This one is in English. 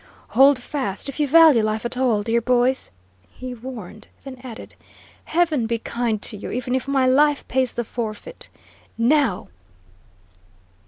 "Hold fast, if you value life at all, dear boys!" he warned, then added: "Heaven be kind to you, even if my life pays the forfeit! Now!"